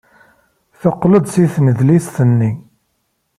Teqqel-d seg tnedlist-nni.